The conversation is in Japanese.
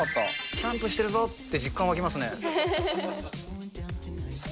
キャンプしてるぞって、実感湧きますね。